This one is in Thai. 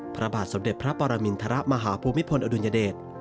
พระบาทสมเด็จพระปรมินทรมาฮภูมิพลอดุลยเดช